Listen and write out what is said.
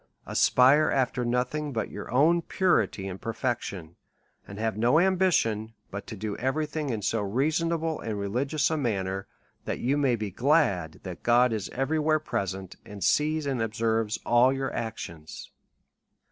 Aspire after nothing but your own purity and per DEVOUT AND HOLY LIFE. 245 fection, and liave no ambition but to do every thing in so reasonable and religious a manner^ that you may be glad that God is every where present, and sees arid observes all your actions.